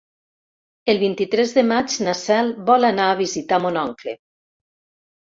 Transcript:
El vint-i-tres de maig na Cel vol anar a visitar mon oncle.